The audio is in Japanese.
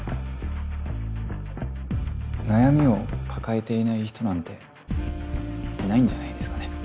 悩みを抱えていない人なんていないんじゃないですかね。